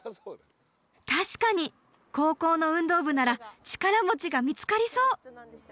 確かに高校の運動部なら力持ちが見つかりそう！